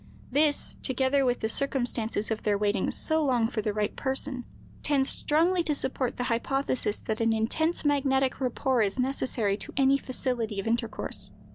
This, together with the circumstance of their waiting so long for the right person, tends strongly to support the hypothesis that an intense magnetic rapport is necessary to any facility of intercourse.